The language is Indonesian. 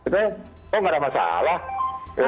tuh nggak ada masalah